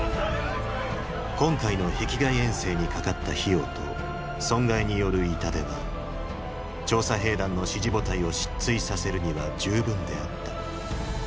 今回の壁外遠征にかかった費用と損害による痛手は調査兵団の支持母体を失墜させるには十分であった。